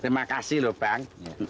terima kasih loh bang